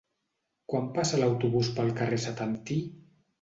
Quan passa l'autobús pel carrer Setantí?